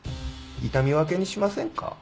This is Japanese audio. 痛み分けにしませんか？